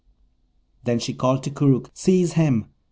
Then she called to Koorookh, 'Seize him!'